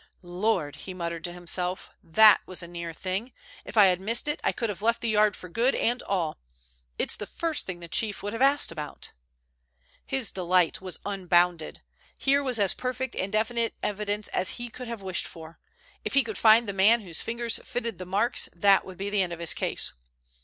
"Lord!" he muttered to himself, "that was a near thing. If I had missed it, I could have left the Yard for good and all. It's the first thing the Chief would have asked about." His delight was unbounded. Here was as perfect and definite evidence as he could have wished for. If he could find the man whose fingers fitted the marks, that would be the end of his case.